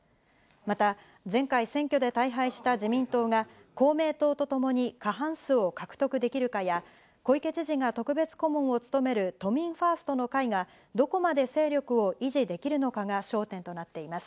また、前回、選挙で大敗した自民党が、公明党と共に過半数を獲得できるかや、小池知事が特別顧問を務める都民ファーストの会が、どこまで勢力を維持できるのかが焦点となっています。